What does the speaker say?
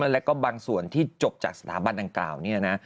และก็บางส่วนที่จบจากสถาบันอังกราวนี้นะ